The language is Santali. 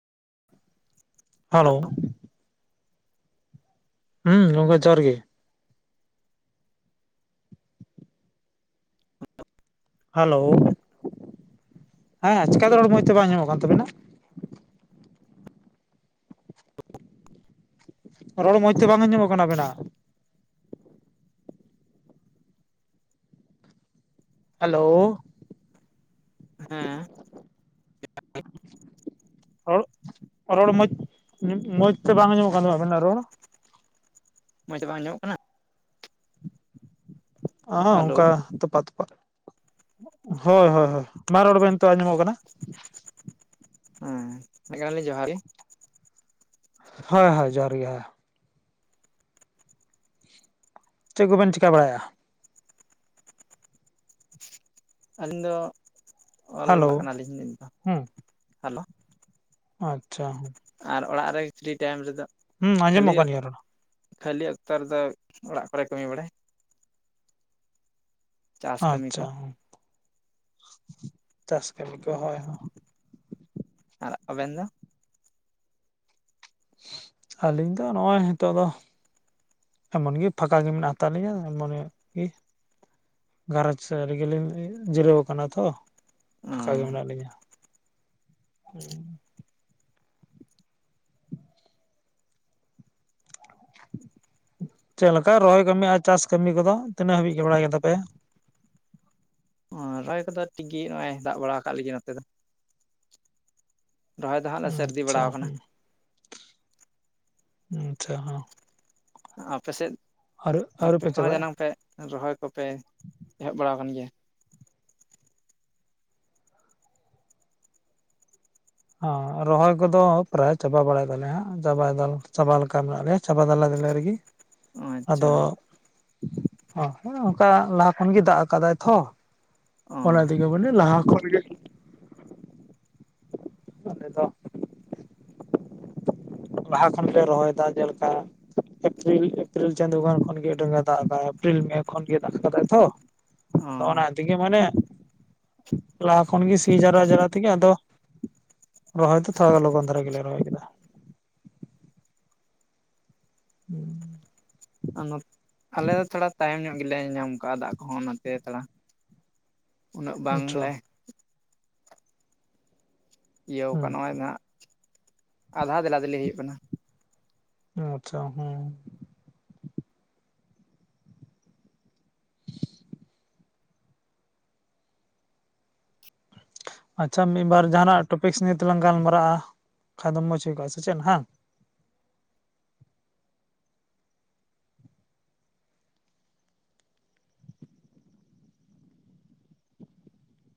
ᱦᱮᱞᱳ ᱾ ᱦᱩᱸ ᱜᱚᱝᱠᱮ ᱡᱚᱦᱟᱨ ᱜᱮ ᱾ ᱦᱮᱞᱳ ᱾ ᱦᱮᱸ ᱪᱮᱠᱟᱛᱮ ᱨᱚᱲ ᱢᱚᱡᱽ ᱛᱮ ᱵᱟᱝ ᱟᱸᱡᱚᱢᱚᱜ ᱠᱟᱱ ᱛᱟᱵᱮᱱᱟ? ᱨᱚᱲ ᱢᱚᱡᱽ ᱛᱮ ᱵᱟᱝ ᱟᱸᱡᱚᱢᱚᱜ ᱠᱟᱱᱟ ᱟᱵᱮᱱᱟᱜ ᱾ ᱦᱮᱞᱳ ᱦᱮᱸ [inaudible] ᱨᱚᱲ ᱨᱚᱲ ᱢᱚᱡᱽ ᱢᱚᱡᱽ ᱛᱮ ᱵᱟᱝ ᱟᱸᱡᱚᱢᱚᱜ ᱠᱟᱱᱟ ᱟᱵᱮᱱᱟᱜ ᱨᱚᱲ ᱾ ᱢᱚᱡᱽ ᱛᱮ ᱵᱟᱝ ᱟᱸᱡᱚᱢᱚᱜ ᱠᱟᱱᱟ? ᱚᱸ ᱦᱚ ᱦᱮᱞᱳ ᱚᱱᱠᱟ ᱛᱚᱯᱟᱜ ᱛᱚᱯᱟᱜ ᱾ ᱦᱳᱭ ᱦᱳᱭ ᱦᱳᱭ ᱢᱟ ᱨᱚᱲ ᱵᱮᱱ ᱱᱤᱛᱚᱜ ᱟᱸᱡᱚᱢᱚᱜ ᱠᱟᱱᱟ᱾ ᱦᱮᱸ ᱾ [unintelligible] ᱡᱚᱦᱟᱨ ᱜᱮ ᱾ ᱦᱳᱭ ᱦᱳᱭ ᱡᱚᱦᱟᱨ ᱜᱮ ᱦᱳ ᱪᱮᱫ ᱠᱚᱵᱮᱱ ᱪᱮᱤᱠᱟᱹ ᱵᱟᱲᱟᱭᱮᱜ-ᱟ? ᱟᱹᱞᱤᱧ ᱫᱚ [inaudible] ᱚᱞ ᱵᱟᱲᱟᱜ ᱦᱮᱞᱳ ᱠᱟᱱᱟᱞᱤᱧ ᱱᱤᱛ ᱫᱚ ᱦᱩᱸ ᱾ [inaudible] ᱦᱮᱞᱳ ᱟᱪᱪᱷᱟ᱾ ᱟᱨ ᱚᱲᱟᱜ ᱨᱮᱜᱮ ᱯᱷᱨᱤ ᱴᱟᱭᱤᱢ ᱨᱮᱫᱚ ᱦᱩᱸ ᱠᱷᱟᱹᱞᱤ ᱟᱸᱡᱚᱢᱚᱜ ᱠᱟᱱ ᱜᱮᱭᱟ ᱨᱚᱲ ᱠᱷᱟᱹᱞᱤ ᱚᱠᱛᱚ ᱨᱮᱫᱚ ᱚᱲᱟᱜ ᱠᱚᱨᱮ ᱠᱟᱹᱢᱤ ᱵᱟᱲᱟᱭ ᱪᱟᱥ ᱠᱟᱹᱢᱤ ᱠᱚ ᱟᱪᱪᱷᱟ ᱪᱟᱥ ᱠᱟᱹᱢᱤ ᱠᱚ ᱦᱚᱭ ᱦᱚᱭ ᱟᱨ ᱟᱵᱮᱱ ᱫᱚ? ᱟᱹᱞᱤᱧ ᱫᱚ ᱱᱚᱜᱼᱚᱭ ᱱᱤᱛᱚᱜ ᱫᱚ ᱮᱢᱚᱱ ᱜᱮ ᱯᱷᱟᱸᱠᱟ ᱜᱮ ᱢᱮᱱᱟᱜ ᱦᱟᱛᱟᱲ ᱞᱤᱧᱟᱹ ᱮᱢᱚᱱ ᱜᱮ ᱜᱷᱟᱨᱚᱸᱡᱽ ᱥᱮᱜ ᱨᱮᱜᱮ ᱞᱤᱧ ᱡᱤᱨᱟᱹᱣ ᱟᱠᱟᱱᱟ ᱛᱷᱚ ᱯᱷᱟᱠᱟ ᱜᱮ ᱢᱮᱱᱟᱜ ᱞᱤᱧᱟ᱾ ᱪᱮᱫ ᱞᱮᱠᱟ ᱨᱚᱦᱚᱭ ᱠᱟᱹᱢᱤ ᱟᱨ ᱪᱟᱥ ᱠᱟᱹᱢᱤ ᱠᱚᱫᱚ ᱛᱤᱱᱟᱹᱜ ᱦᱟᱹᱵᱤᱡ ᱜᱮ ᱵᱟᱲᱟᱭ ᱜᱮ ᱛᱟᱯᱮᱭᱟ ᱨᱚᱦᱚᱭ ᱠᱚᱫᱚ ᱴᱷᱤᱠ ᱜᱮ ᱱᱚᱜᱼᱚᱭ ᱫᱟᱜ ᱵᱟᱲᱟ ᱟᱠᱟᱫ ᱞᱮᱜᱮ ᱱᱚᱛᱮ ᱫᱚ ᱨᱚᱦᱚᱭ ᱫᱚ ᱦᱟᱸᱜ ᱞᱮ ᱥᱟᱹᱨᱫᱤ ᱟᱪᱪᱷᱟ ᱵᱟᱲᱟᱣ ᱟᱠᱟᱱᱟ ᱦᱩᱸ ᱟᱪᱪᱷᱟ ᱦᱮᱸ ᱟᱯᱮ ᱥᱮᱫ ᱟᱹᱣᱨᱤ ᱟᱯᱮ ᱯᱮ ᱠᱚᱦᱚᱸ ᱪᱟᱵᱟᱭᱟ ᱡᱟᱱᱟᱢ ᱯᱮ ᱨᱚᱦᱚᱭ ᱠᱚᱯᱮ ᱮᱦᱚᱵ ᱵᱟᱲᱟᱣ ᱟᱠᱟᱱ ᱜᱮᱭᱟ? ᱦᱚᱸ ᱨᱚᱦᱚᱭ ᱠᱚᱫᱚ ᱯᱨᱟᱭ ᱪᱟᱵᱟ ᱵᱟᱲᱟᱭ ᱛᱟᱞᱮ ᱦᱟᱸᱜ ᱪᱟᱵᱟ ᱪᱟᱵᱟ ᱞᱮᱠᱟ ᱢᱮᱱᱟᱜ ᱞᱮᱭᱟ ᱪᱟᱵᱟ ᱫᱮᱞᱟ ᱫᱤᱞᱮ ᱨᱮᱜᱮ ᱟᱪᱪᱷᱟ ᱟᱫᱚ ᱚᱝᱠᱟ ᱞᱟᱦᱟ ᱠᱷᱚᱱ ᱜᱮ ᱫᱟᱜ ᱟᱠᱟᱫᱟᱭ ᱛᱷᱚ ᱚ ᱚᱱᱟ ᱛᱮᱜᱮ ᱵᱚᱞᱮ ᱞᱟᱦᱟ ᱠᱷᱚᱱ ᱜᱮ ᱟᱞᱮ ᱫᱚ ᱞᱟᱦᱟ ᱠᱷᱚᱱ ᱯᱮ ᱨᱚᱦᱚᱭᱮᱫᱟ ᱡᱮᱞᱮᱠᱟ ᱮᱯᱨᱤᱞ ᱮᱯᱨᱤᱞ ᱪᱟᱸᱫᱳ ᱜᱟᱱ ᱠᱷᱚᱱ ᱜᱮ [inaudible] ᱫᱟᱜ ᱟᱠᱟᱫ ᱮᱯᱨᱤᱞ ᱢᱮ ᱠᱷᱚᱱ ᱜᱮ ᱫᱟᱜ ᱟᱠᱟᱫᱟᱭ ᱛᱷᱚ ᱚ ᱚᱱᱟ ᱫᱤᱜᱮ ᱢᱟᱱᱮ ᱞᱟᱦᱟ ᱠᱷᱚᱱ ᱜᱮ ᱥᱤ ᱡᱟᱣᱨᱟ ᱡᱟᱣᱨᱟ ᱛᱮᱜᱮ ᱟᱫᱚ ᱨᱚᱦᱚᱭ ᱛᱷᱚ ᱛᱷᱚᱲᱟ ᱞᱚᱜᱚᱱ ᱫᱷᱟᱨᱟ ᱜᱮᱞᱮ ᱨᱚᱦᱚᱭ ᱠᱮᱫᱟ ᱦᱮᱸ ᱟ ᱱᱚᱛᱼᱼ ᱟᱞᱮ ᱫᱚ ᱛᱷᱚᱲᱟ ᱛᱟᱭᱚᱢ ᱧᱚᱜ ᱜᱮᱞᱮ ᱧᱟᱢ ᱠᱟᱜᱼᱟ ᱫᱟᱜ ᱠᱚᱦᱚᱸ ᱚᱱᱟᱛᱮ ᱛᱷᱚᱲᱟ ᱩᱱᱟᱹᱜ ᱵᱟᱝ ᱟᱪᱪᱷᱟ ᱞᱮ ᱤᱭᱟᱹ ᱚᱠᱟ ᱦᱩᱸ ᱱᱚᱜᱼᱚᱭ ᱱᱷᱟᱜ, ᱟᱫᱷᱟ ᱫᱮᱞᱟ ᱫᱮᱞᱤ ᱦᱩᱭᱩᱜ ᱠᱟᱱᱟ᱾ ᱟᱪᱪᱷᱟ ᱦᱮᱸ᱾ ᱟᱪᱪᱷᱟ ᱢᱤᱜᱼᱵᱟᱨ ᱡᱟᱦᱟᱸᱱᱟᱜ ᱴᱚᱯᱤᱠᱥ ᱱᱤᱭᱮ ᱛᱮᱞᱟᱝ ᱜᱟᱞᱢᱟᱨᱟᱜᱼᱟ, ᱠᱷᱟᱱ ᱫᱚ ᱢᱚᱡᱽ ᱦᱩᱭ ᱠᱚᱜᱼᱟ ᱥᱮ ᱪᱮᱜ ᱦᱟᱸ ᱾